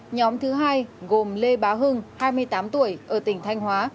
nhóm thứ hai gồm lê bá hưng hai mươi tám tuổi ở tỉnh thanh hóa